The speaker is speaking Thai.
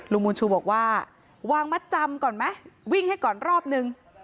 บุญชูบอกว่าวางมัดจำก่อนไหมวิ่งให้ก่อนรอบนึง